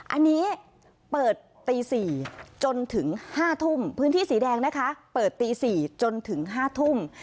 อันนี้เปิดตี๔จนถึง๕ทุ่มพื้นที่สีแดงนะคะเปิดตี๔จนถึง๕ทุ่ม